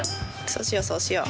そうしようそうしよう。